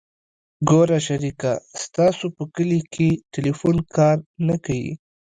ګوره شريکه ستاسو په کلي کښې ټېلفون کار نه کيي.